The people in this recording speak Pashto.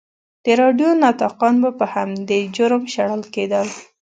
د راډیو نطاقان به په همدې جرم شړل کېدل.